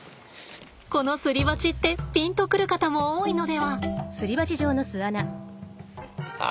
このすり鉢ってピンと来る方も多いのでは？